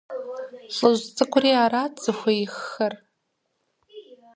ЛӀыжь цӀыкӀури арат зыхуеиххэр.